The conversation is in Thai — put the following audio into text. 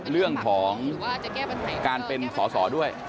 เรื่องของการเป็นสอสอด้วย